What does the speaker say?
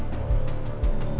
sambil nunggu kita